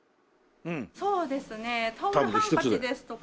そうですねタオルハンカチですとか